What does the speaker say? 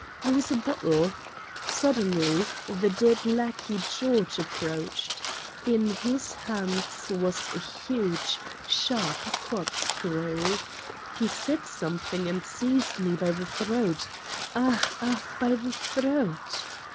I was a bottle. Suddenly the dead lackey George approached. In his hands was a huge sharp corkscrew. He said something 31 Satan's Diary and seized me by the throat Ah, ah, by the throat